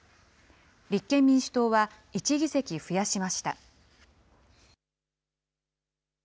立憲民主党は１議席増やしました。